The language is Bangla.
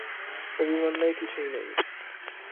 অভিমান নাই, কিছুই নাই।